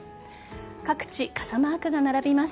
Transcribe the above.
各地、傘マークが並びます。